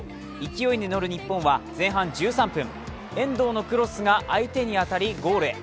勢いに乗る日本は前半１３分、遠藤のクロスが相手に当たりゴールへ。